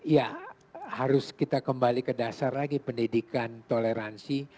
ya harus kita kembali ke dasar lagi pendidikan toleransi